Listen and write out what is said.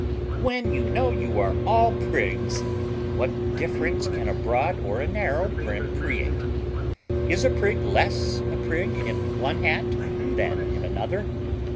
When you know you are all PRIGS, what difference can a broad or a narrow brim create? Is a prig less a prig in one hat than in another?